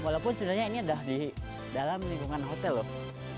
walaupun sebenarnya ini ada di dalam lingkungan hotel loh